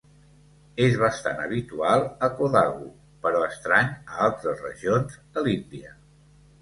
És bastant habitual a Kodagu, però estrany a altres regions de l'Índia.